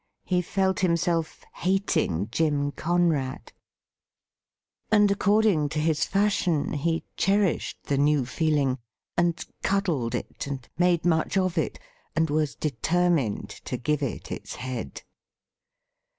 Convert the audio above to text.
He felt himself hating Jim Conrad, and according WHAT THE CHffiF DID WITH HIMSELF gCS to his fashion he cherished the new feehng, and cuddled it, and made much of it, and was determined to give it its head.